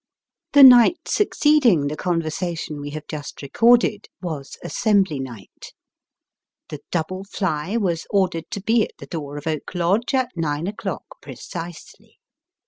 The night succeeding the conversation we have just recorded, was " assembly night." The double fly was ordered to be at the door of Oak Lodge at nine o'clock precisely.